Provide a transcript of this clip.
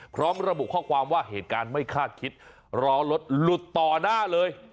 พร้อมระบุข้อความว่าเหตุการณ์ไม่คาดคิดล้อรถหลุดต่อหน้าเลย